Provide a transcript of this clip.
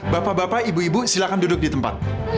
bapak bapak ibu ibu silahkan duduk di tempat